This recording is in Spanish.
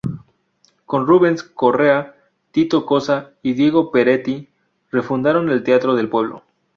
Con Rubens Correa, Tito Cossa y Diego Peretti refundaron el Teatro del Pueblo.